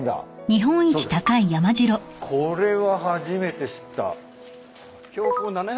これは初めて知った。